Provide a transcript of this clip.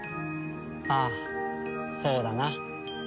ああそうだな。